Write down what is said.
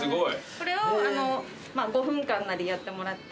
これを５分間なりやってもらって。